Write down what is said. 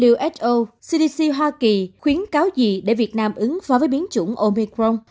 who cdc hoa kỳ khuyến cáo dị để việt nam ứng phó với biến chủng omicron